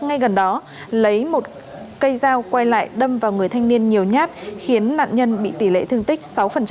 ngay gần đó lấy một cây dao quay lại đâm vào người thanh niên nhiều nhát khiến nạn nhân bị tỷ lệ thương tích sáu